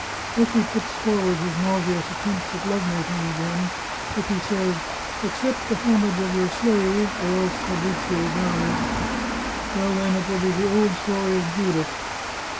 If he puts forward his nause ous attempts at love making again, if he says, * Accept the homage of your slave or else Fabrizio dies,' well, then it will be the old story of Judith.